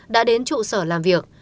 đã đến trụ sở làm việc